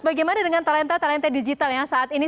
bagaimana dengan talenta talenta digital yang saat ini